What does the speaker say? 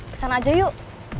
kesana aja yuk